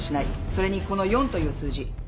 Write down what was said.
それにこの４という数字。